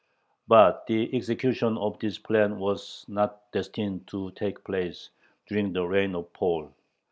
But the execution of this plan was not destined to take place during the reign of Paul.